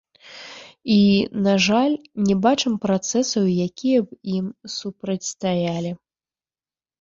І, на жаль, не бачым працэсаў, якія б ім супрацьстаялі.